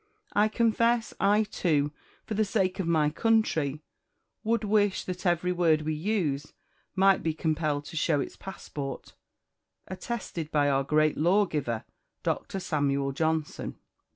I confess, I too, for the sake of my country, would wish that every word we use might be compelled to show its passport, attested by our great lawgiver, Dr. Samuel Johnson."